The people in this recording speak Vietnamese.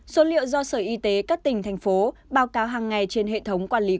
số liệu do sở y tế các tỉnh thành phố báo cáo hàng ngày trên hệ thống quản lý